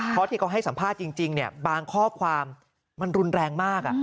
เพราะที่เขาให้สัมภาษณ์จริงบางข้อความมันรุนแรงมาก